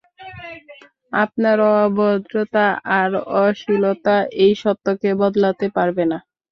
আপনার অভদ্রতা আর অশ্লীলতা এই সত্যকে বদলাতে পারবে না।